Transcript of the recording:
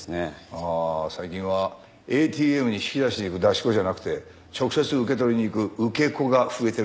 ああ最近はＡＴＭに引き出しに行く出し子じゃなくて直接受け取りに行く受け子が増えてるらしいな。